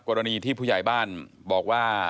กรณีที่ผู้ใหญ่บ้านบอกว่า